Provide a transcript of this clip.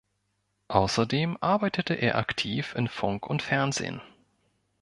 Außerdem arbeitete er aktiv in Funk und Fernsehen.